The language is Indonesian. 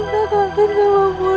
sinta kasih kamu bu